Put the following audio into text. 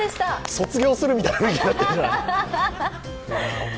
卒業するみたいな感じになってるじゃない。